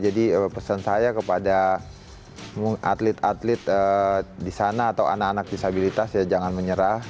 jadi pesan saya kepada atlet atlet di sana atau anak anak disabilitas ya jangan menyerah